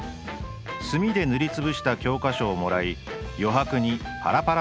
スミでぬりつぶした教科書をもらい余白にパラパラ漫画をかく。